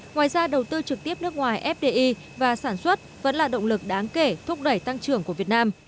ngoài ra đầu tư trực tiếp nước ngoài fdi và sản xuất vẫn là động lực đáng kể thúc đẩy tăng trưởng của việt nam